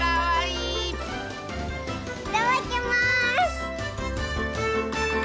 いただきます！